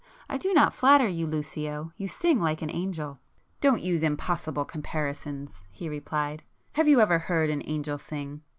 I do not flatter you, Lucio,—you sing like an angel." "Don't use impossible comparisons;"—he replied—"Have you ever heard an angel sing?"